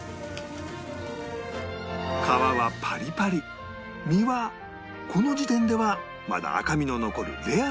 皮はパリパリ身はこの時点ではまだ赤みの残るレアの状態で